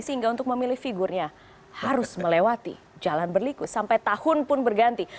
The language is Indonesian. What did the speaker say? sehingga untuk memilih figurnya harus melewati jalan berliku sampai tahun pun berganti